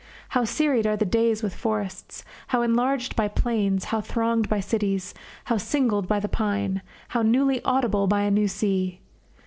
How serried are the days with forests, how enlarged by plains, how thronged by cities, how singled by the pine, how newly audible by a new sea!